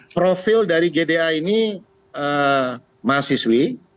profil dari gda ini mahasiswi